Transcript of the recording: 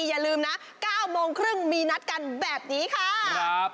อย่าลืมนะว่า๙๓๐นมีนัดการแบบนี้ครับ